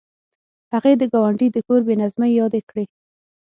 هغې د ګاونډي د کور بې نظمۍ یادې کړې